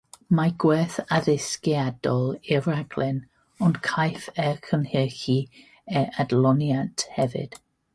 Mae gwerth addysgiadol i'r rhaglen, ond caiff ei chynhyrchu er adloniant hefyd.